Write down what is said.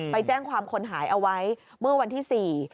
ไปแจ้งความคนหายเอาไว้เมื่อวันที่สี่